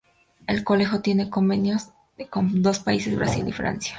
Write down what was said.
El colegio tiene convenios con dos países, Brasil y Francia.